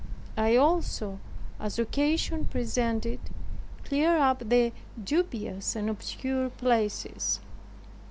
I also, as occasion presented, cleared up the dubious and obscure places.